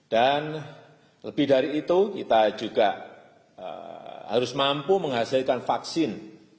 dan lebih dari itu kita juga harus mampu menghasilkan vaksin